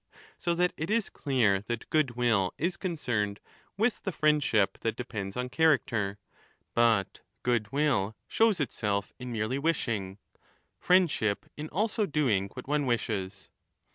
So that it is clear that goodwill is 10 concerned with the friendship that depends on character ; but goodwill shows itself in merely wishing, friendship in also doing what one wishes.